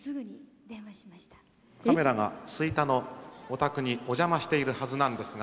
カメラが吹田のお宅にお邪魔しているはずなんですが。